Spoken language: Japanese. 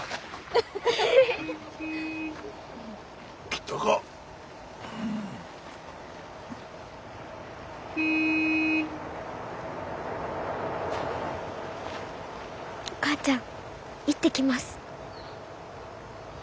・来たか。お母ちゃん行ってきます。